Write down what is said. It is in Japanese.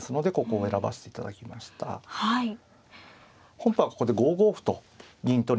本譜はここで５五歩と銀取りに打って。